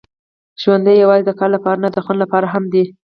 ژوند یوازې د کار لپاره نه، د خوند لپاره هم دی.